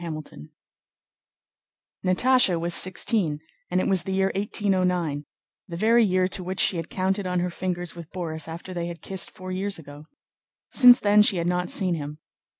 CHAPTER XII Natásha was sixteen and it was the year 1809, the very year to which she had counted on her fingers with Borís after they had kissed four years ago. Since then she had not seen him.